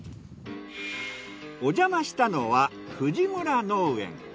おじゃましたのは藤村農園。